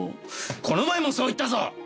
この前もそう言ったぞ！